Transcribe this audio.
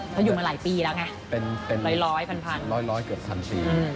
เขาอยู่มาหลายปีแล้วไงร้อยพันร้อยเกือบพันปี